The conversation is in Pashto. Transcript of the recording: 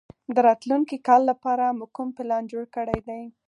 د راتلونکي کال لپاره مو کوم پلان جوړ کړی دی؟